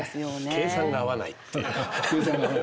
計算が合わないという。